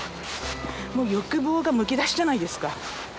もう欲望がむき出しじゃないですか。